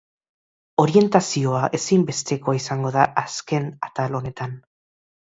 Orientazioa ezinbestekoa izango da azken atal honetan.